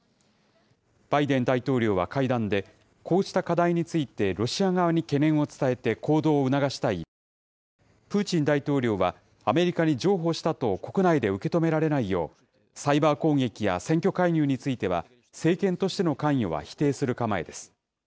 バイデン大統領は会談で、こうした課題についてロシア側に懸念を伝えて行動を促したい一方、プーチン大統領はアメリカに譲歩したと国内で受け止められないよう、サイバー攻撃や選挙介入については、政権としての関与は否定する構えです。